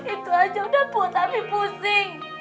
itu aja udah bu tapi pusing